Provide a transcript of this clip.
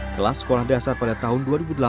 kelas sekolah dasar pada tahun dua ribu delapan